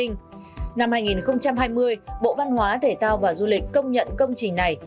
năm hai nghìn hai mươi bộ văn hóa thể thao và du lịch công nhận công trình này